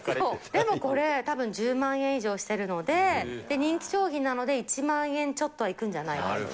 でもこれ、たぶん１０万円以上してるので、人気商品なので、１万円ちょっとはいくんじゃないかと。